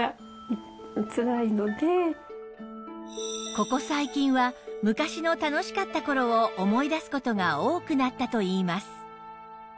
ここ最近は昔の楽しかった頃を思い出す事が多くなったといいます